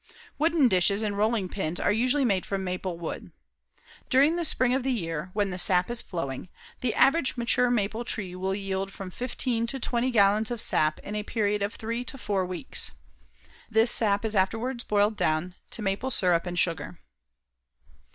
Wooden dishes and rolling pins are usually made from maple wood. During the spring of the year when the sap is flowing, the average mature maple tree will yield from fifteen to twenty gallons of sap in a period of three to four weeks. This sap is afterwards boiled down to maple syrup and sugar.